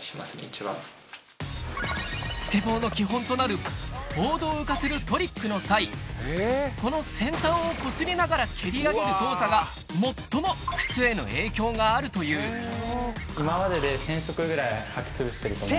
スケボーの基本となるボードを浮かせるトリックの際この先端をこすりながら蹴り上げる動作が最も靴への影響があるという今までで。と思います。